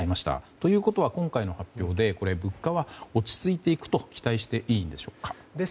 ということは、今回の発表で物価は落ち着いていくと期待していいんでしょうか？